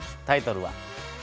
タイトルは？